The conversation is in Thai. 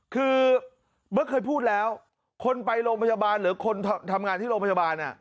คือเบิร์ตเคยพูดแล้วคนไปโรงพยาบาลหรือคนทำงานที่โรงพยาบาล